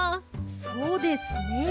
そうですね。